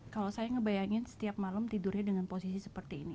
kalau saya ngebayangin setiap malam tidurnya dengan posisi seperti ini